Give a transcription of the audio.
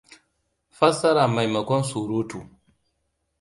Fassara maimakon surutu!